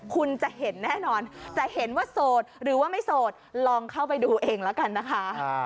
คุณจะเห็นแน่นอนจะเห็นว่าโสดหรือว่าไม่โสดลองเข้าไปดูเองแล้วกันนะคะ